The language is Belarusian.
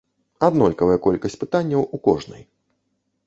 Аднолькавая колькасць пытанняў у кожнай.